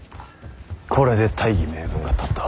これで大義名分が立った。